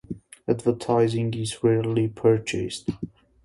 Advertising is rarely purchased.